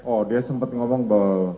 oh dia sempat ngomong bahwa